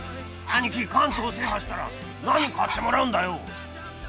アニキ関東制覇したら何買ってもらうんだよ